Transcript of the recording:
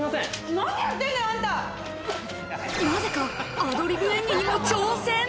なぜかアドリブ演技にも挑戦。